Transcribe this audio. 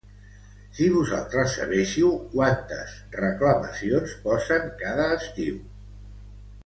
Si vosaltres sabéssiu quantes reclamacions posen cada estiu.